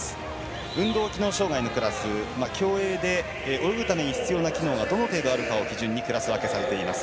運動機能障がいのクラス、競泳で泳ぐために必要な機能がどの程度あるかを基準にクラス分けされています。